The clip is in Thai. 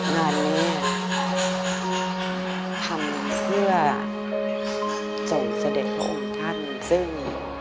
งานนี้ทำเสื้อส่วนเสด็จขององค์ท่านซึ่ง